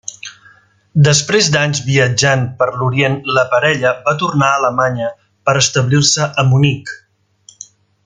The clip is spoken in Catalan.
Després d’anys viatjant per l’Orient la parella va tornar a Alemanya per establir-se a Munic.